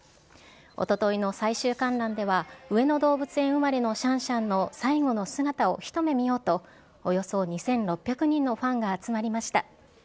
おとといの最終観覧では、上野動物園生まれのシャンシャンの最後の姿を一目見ようと、およそ２６００人のファンが集まりました。